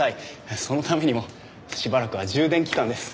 そのためにもしばらくは充電期間です。